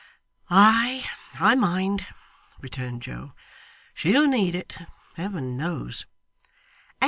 'Ay, I mind,' returned Joe. 'She'll need it, Heaven knows.